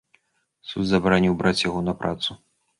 Суд забараніў браць яго на працу.